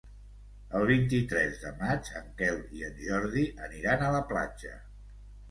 El vint-i-tres de maig en Quel i en Jordi aniran a la platja.